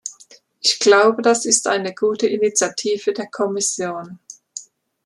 Ich glaube, das ist eine gute Initiative der Kommission.